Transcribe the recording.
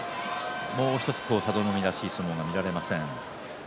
もう１つ佐田の海らしい相撲が見られません。